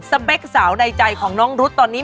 เป๊กสาวในใจของน้องรุ๊ดตอนนี้